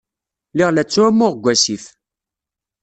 Lliɣ la ttɛumuɣ deg wasif.